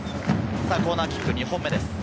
さぁ、コーナーキック２本目です。